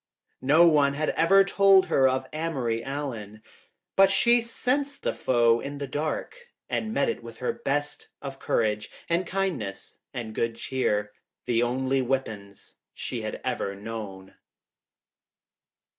No one had ever told her of Amory Allen. But she sensed the foe in the dark and met it with her best of courage and kindness and good cheer — the only weapons she had ever known.